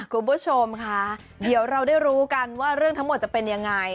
คุณผู้ชมค่ะเดี๋ยวเราได้รู้กันว่าเรื่องทั้งหมดจะเป็นยังไง